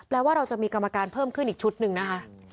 แล้วว่าเราจะมีกรรมการเพิ่มขึ้นอีกชุดหนึ่งนะคะ